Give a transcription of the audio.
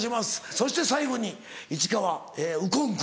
そして最後に市川右近君。